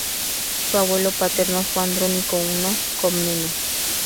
Su abuelo paterno fue Andrónico I Comneno.